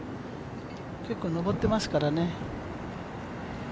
結構上ってますからね。